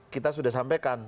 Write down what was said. kita sudah sampaikan